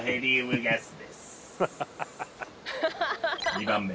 「２番目」